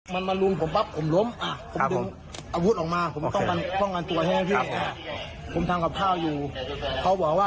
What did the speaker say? มันมาลุมผมปะผมล้ม